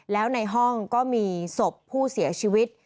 แล้วในห้องก็มีศพผู้เสียชีวิต